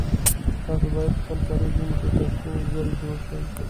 تاسو باید خپل پریز ونیسی تر څو ژر جوړ شی